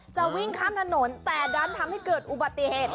จะวิ่งข้ามถนนแต่ดันทำให้เกิดอุบัติเหตุ